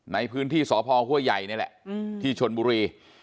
ในพื้นที่สพห้วยใหญ่นี่แหละที่ชนบุรี